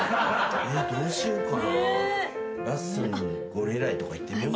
どうしようかな。